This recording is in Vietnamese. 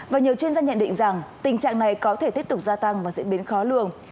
và nhiều chuyên gia nhận định rằng tình trạng này có thể tiếp tục gia tăng và diễn biến khó lường